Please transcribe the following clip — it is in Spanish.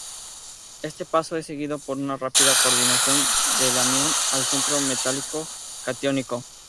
Este paso es seguido por una rápida coordinación del anión al centro metálico catiónico.